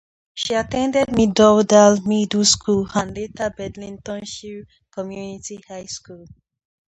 She attended Meadowdale Middle School and later Bedlingtonshire Community High School.